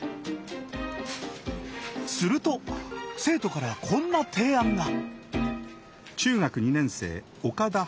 すると生徒からこんな提案が。